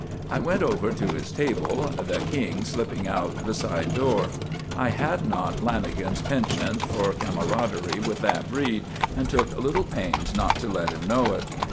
I went over to his table, the "King" slipping out the side door. I had not Lanagan's penchant for camaraderie with that breed, and took little pains not to let him know it.